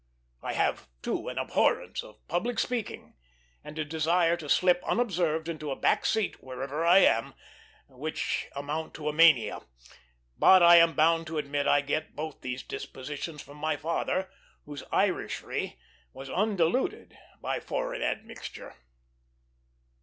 I have, too, an abhorrence of public speaking, and a desire to slip unobserved into a back seat wherever I am, which amount to a mania; but I am bound to admit I get both these dispositions from my father, whose Irishry was undiluted by foreign admixture.